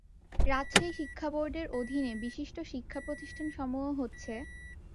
রাজশাহী শিক্ষা বোর্ডের অধিনে বিশিষ্ট শিক্ষা প্রতিষ্ঠান সমূহ হচ্ছেঃ